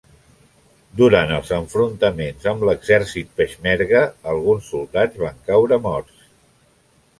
Durant els enfrontaments amb l'exèrcit Peixmerga, alguns soldats van caure morts.